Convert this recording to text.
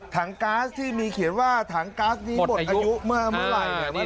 ก๊าซที่มีเขียนว่าถังก๊าซนี้หมดอายุเมื่อไหร่